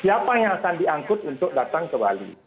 siapa yang akan diangkut untuk datang ke bali